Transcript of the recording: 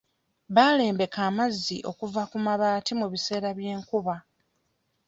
Balembeka amazzi okuva ku mabaati mu biseera by'enkuba.